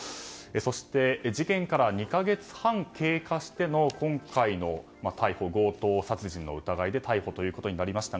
そして、事件から２か月半経過しての今回、強盗殺人の疑いで逮捕となりました